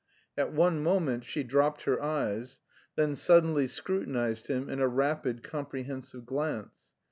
At one moment she dropped her eyes, then suddenly scrutinised him in a rapid comprehensive glance.